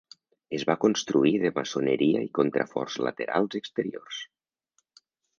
Es va construir de maçoneria i contraforts laterals exteriors.